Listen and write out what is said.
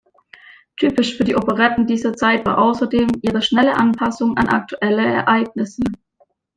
Typisch für die Operetten dieser Zeit war außerdem ihre schnelle Anpassung an aktuelle Ereignisse.